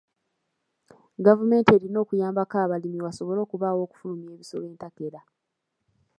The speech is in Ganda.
Gavumenti erina okuyambako abalimi wasobole okubaawo okufulumya ebisolo entakera.